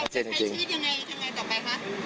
จากนี้ทางที่อะไรต่อไปกัน